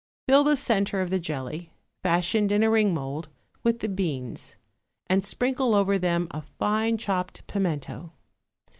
Fill the centre of the jelly, fashioned in a ring mould, with the beans, and sprinkle over them a fine chopped pimento.